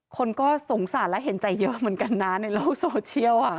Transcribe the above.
คนก็สงสารและเห็นใจเยอะเหมือนกันนะในโลกโซเชียล